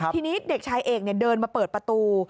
ทีนี้เด็กชายเอกเดินมาเปิดประตู